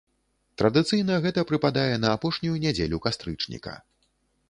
Традыцыйна гэта прыпадае на апошнюю нядзелю кастрычніка.